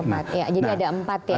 jadi ada empat ya